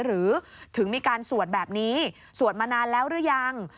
หรือถึงมีการสวดแบบนี้สวดมานานแล้วหรือยัง